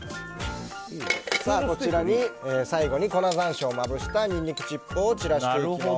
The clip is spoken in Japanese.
こちらに最後に粉山椒をまぶしたニンニクチップを散らしていきます。